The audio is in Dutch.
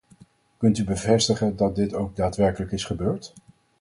Kunt u bevestigen dat dit ook daadwerkelijk is gebeurd?